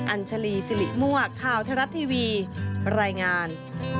อัญชลีซิริม่วะข่าวทะลัดทีวีรายงาน